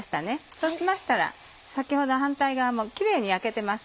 そうしましたら反対側もキレイに焼けてます。